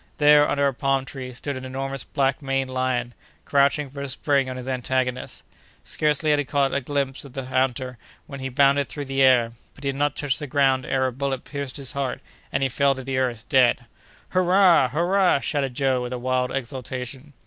There, under a palm tree, stood an enormous black maned lion, crouching for a spring on his antagonist. Scarcely had he caught a glimpse of the hunter, when he bounded through the air; but he had not touched the ground ere a bullet pierced his heart, and he fell to the earth dead. "Hurrah! hurrah!" shouted Joe, with wild exultation.